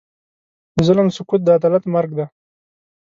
د ظلم سکوت، د عدالت مرګ دی.